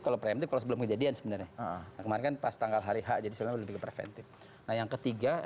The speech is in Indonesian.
kalau sebelum kejadian sebenarnya kemarin kan pas tanggal hari h jadi preventif nah yang ketiga